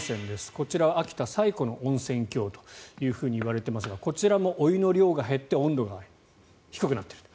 こちらは秋田最古の温泉郷と言われていますがこちらもお湯の量が減って温度が低くなっていると。